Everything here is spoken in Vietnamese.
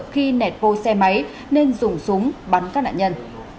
khi nẹt vô xe máy nên dùng súng bắn các nạn nhân